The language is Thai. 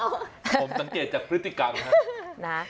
ผมสังเกตจากพฤติกรรมครับนะ